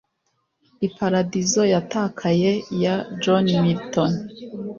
iparadizo yatakaye ya john milton